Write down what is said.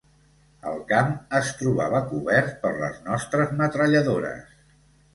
El camp es trobava cobert per les nostres metralladores